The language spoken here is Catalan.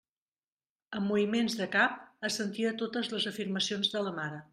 Amb moviments de cap assentia a totes les afirmacions de la mare.